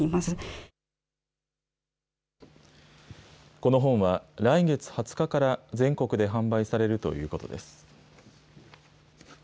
この本は来月２０日から全国で販売されるということです。